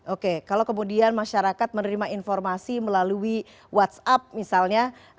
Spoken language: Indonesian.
oke kalau kemudian masyarakat menerima informasi melalui whatsapp misalnya